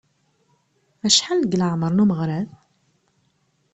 Acḥal deg leεmer umeɣrad?